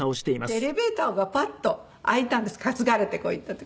エレベーターがパッと開いたんです担がれてこう行った時。